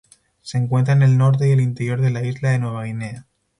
Se encuentra en el norte y el interior de la isla de Nueva Guinea.